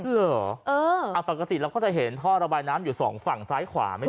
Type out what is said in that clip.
เหรอปกติเราก็จะเห็นท่อระบายน้ำอยู่สองฝั่งซ้ายขวาไม่ใช่